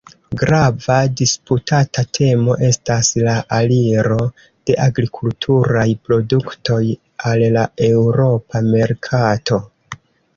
Grava disputata temo estas la aliro de agrikulturaj produktoj al la eŭropa merkato.